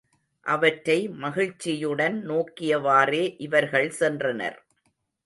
அவற்றை மகிழ்ச்சியுடன் நோக்கியவாறே இவர்கள் சென்றனர்.